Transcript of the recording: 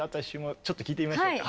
ちょっと聴いてみましょうか。